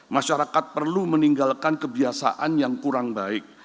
masyarakat perlu meninggalkan kebiasaan yang kurang baik